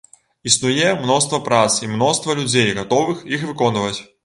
Існуе мноства прац і мноства людзей, гатовых іх выконваць.